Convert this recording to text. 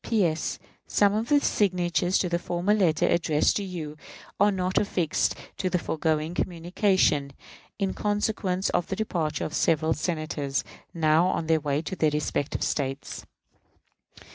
P.S. Some of the signatures to the former letter addressed to you are not affixed to the foregoing communication, in consequence of the departure of several Senators, now on their way to their respective States.